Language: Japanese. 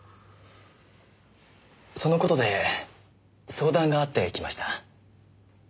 その事で相談があって来ました。